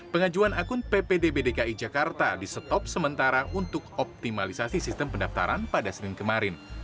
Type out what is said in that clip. pengajuan akun ppdb dki jakarta di stop sementara untuk optimalisasi sistem pendaftaran pada senin kemarin